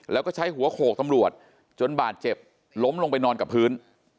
แล้วก็ใช้หัวโขกตำรวจจนบาดเจ็บล้มลงไปนอนกับพื้น